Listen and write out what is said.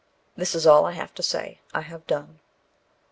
This is all I have to say; I have done."